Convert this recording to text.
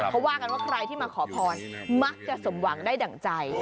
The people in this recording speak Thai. เขาว่ากันว่าใครที่มาขอพรมักจะสมหวังได้ดั่งใจ